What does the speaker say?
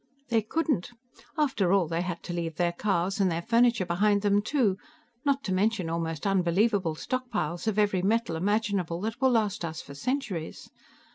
"They couldn't. After all, they had to leave their cars and their furniture behind them too, not to mention almost unbelievable stockpiles of every metal imaginable that will last us for centuries.